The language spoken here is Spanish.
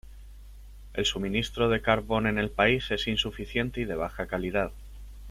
El suministro de carbón en el país es insuficiente y de baja calidad.